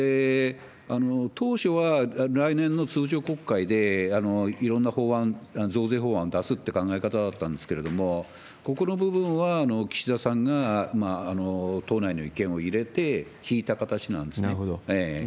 当初は、来年の通常国会でいろんな法案、増税法案を出すって考え方だったんですけれども、ここの部分は岸田さんが党内の意見を入れて聞いた形なんですね。